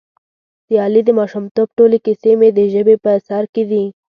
د علي د ماشومتوب ټولې کیسې مې د ژبې په سر کې دي.